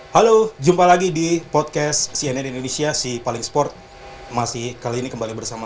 halo jumpa lagi di podcast cnn indonesia si paling sport masih kali ini kembali bersama